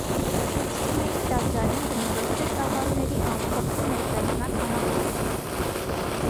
Հռիփսիմեի տաճարին բնորոշ է ծավալների ամփոփ ու ներդաշնակ համակցությունը։